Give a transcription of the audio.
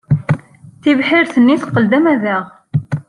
Tibḥirt-nni teqqel d amadaɣ.